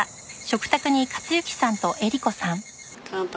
乾杯。